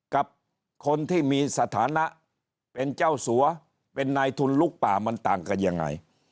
กับคนที่มีสถานะเป็นเจ้าสัวเป็นนายทุนลุกป่ามันต่างกันยังไง